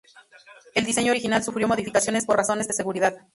El diseño original sufrió modificaciones por razones de seguridad.